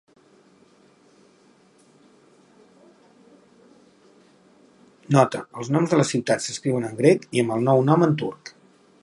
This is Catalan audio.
Nota: els noms de les ciutats s'escriuen en grec i amb el nou nom en turc.